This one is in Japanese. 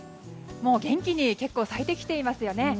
もう元気に結構、咲いてきていますよね。